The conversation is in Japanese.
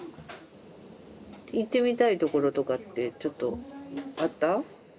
行ってみたいところとかってちょっとあった？